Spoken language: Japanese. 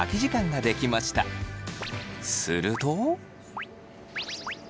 すると。